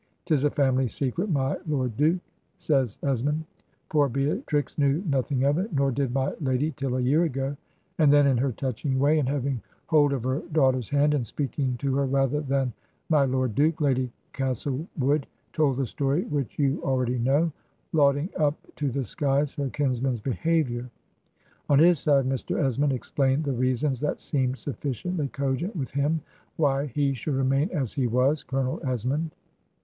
' 'Tis a family secret, my Lord Duke,' says Esmond: 'poor Beatrix knew noth ing of it, nor did my lady till a year ago.' ... And then in her touching way, and having hold of her daugh ter's hand, and speaking to her rather than my Lord Duke, Lady Castlewood told the story which you al ready know, lauding up to the skies her kinsman's behavior. On his side Mr. Esmond explained the reasons that seemed sufficiently cogent with him why ... he should remain as he was. Colonel Esmond.